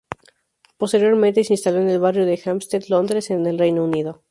Posteriormente, se instaló en el barrio de Hampstead, Londres, en el Reino Unido.